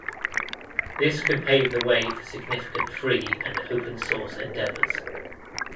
This could pave the way for significant free and open source endeavors